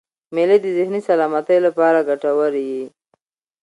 مېلې د ذهني سلامتۍ له پاره ګټوري يي.